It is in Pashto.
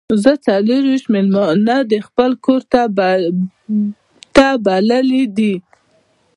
زه څلور ویشت میلمانه د خپل کور ته بللي دي.